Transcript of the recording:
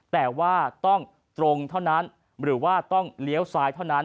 แต่ว่าต้องตรงเท่านั้นหรือว่าต้องเลี้ยวซ้ายเท่านั้น